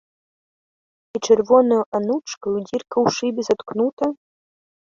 І чырвонаю анучкаю дзірка ў шыбе заткнута?